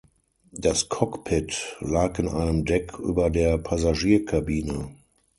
Das Cockpit lag in einem Deck über der Passagierkabine.